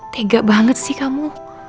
tega banget sih kamu